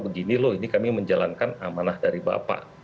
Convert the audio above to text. begini loh ini kami menjalankan amanah dari bapak